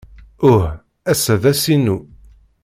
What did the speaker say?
Uh! Ass-a d ass-inu.